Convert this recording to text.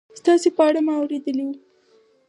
ستاسې په اړه ما اورېدلي و